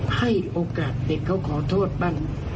ให้โอกาสเด็กเขาขอโทษบ้าง